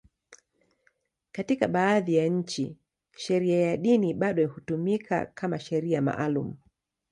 Katika baadhi ya nchi, sheria ya dini bado hutumika kama sheria maalum.